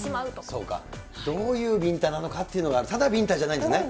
そうか、どういうビンタなのかっていうのが、ただ、ビンタじゃないんですね。